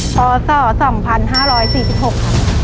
พอสอ๒๕๔๖ค่ะ